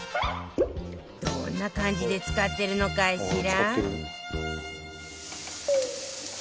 どんな感じで使ってるのかしら？